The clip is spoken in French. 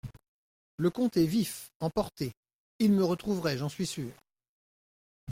Le comte est vif, emporté ; il me retrouverait… j’en suis sûr…